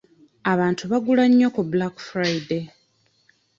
Abantu bagula nnyo ku Black Friday.